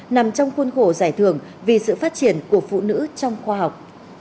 nằm trong khuôn khổ giải thưởng vì sự phát triển của phụ nữ trong khoa học